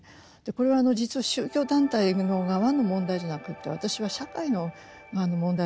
これは実は宗教団体の側の問題じゃなくて私は社会の側の問題だと思ってるんです。